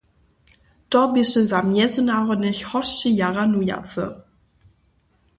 To běše za mjezynarodnych hosći jara hnujace.